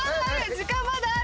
時間まだある。